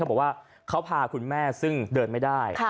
บอกว่าเขาพาคุณแม่ซึ่งเดินไม่ได้